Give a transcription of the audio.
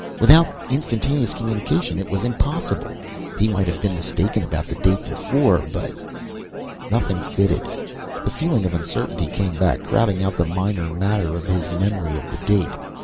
Without instantaneous communication, it was impossible. He might have been mistaken about the date before, but Nothing fitted. The feeling of uncertainty came back, crowding out the minor matter of his memory of the date.